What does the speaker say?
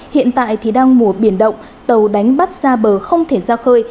hiện tại thì đang mùa biển động tàu đánh bắt ra bờ không thể ra khơi